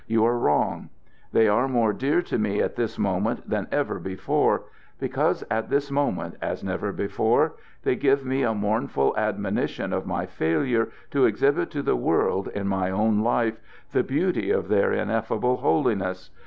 You are wrong. They are more dear to me at this moment than ever before, because at this moment, as never before, they give me a mournful admonition of my failure to exhibit to the world in my own life the beauty of their ineffable holiness.